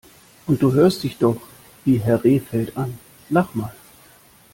Und du hörst dich doch wie Herr Rehfeld an! Lach mal!